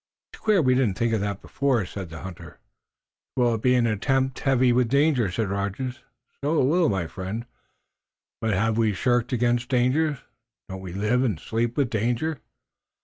"It's queer we didn't think of that before," said the hunter. "'Twill be an attempt heavy with danger," said Rogers. "So it will, my friend, but have we shirked dangers? Don't we live and sleep with danger?"